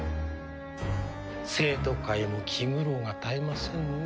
生徒会も気苦労が絶えませんね。